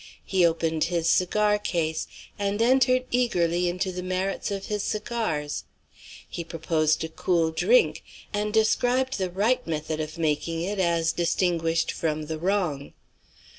He opened his cigar case, and entered eagerly into the merits of his cigars; he proposed a cool drink, and described the right method of making it as distinguished from the wrong.